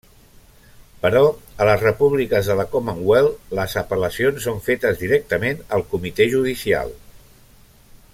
Però a les Repúbliques de la Commonwealth les apel·lacions són fetes directament al Comitè Judicial.